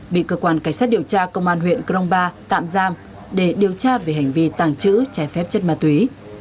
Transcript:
bị cơ quan cảnh sát điều tra công an huyện krongpa tạm giam để điều tra về hành vi tàng trữ trái phép chất ma túy